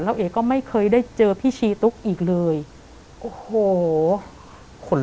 แต่ขอให้เรียนจบปริญญาตรีก่อน